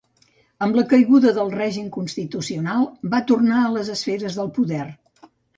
Amb la caiguda del règim constitucional, va tornar a les esferes del poder.